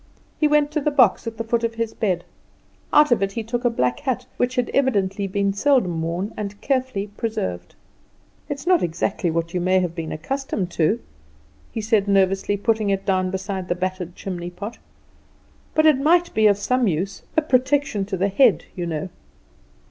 He went to the box at the foot of his bed; out of it he took a black hat, which had evidently been seldom worn and carefully preserved. "It's not exactly what you may have been accustomed to," he said nervously, putting it down beside the battered chimneypot, "but it might be of some use a protection to the head, you know."